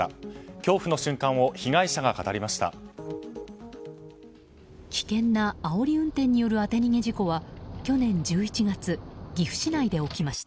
恐怖の瞬間を被害者が語りました。